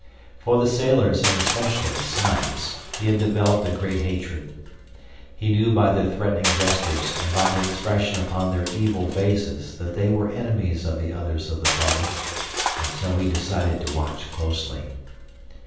For the sailors, and especially Snipes, he had developed a great hatred. He knew by their threatening gestures and by the expression upon their evil faces that they were enemies of the others of the party, and so he decided to watch closely.